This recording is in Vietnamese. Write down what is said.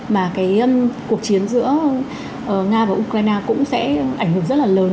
mà cái cuộc chiến giữa nga và ukraine cũng sẽ ảnh hưởng rất là lớn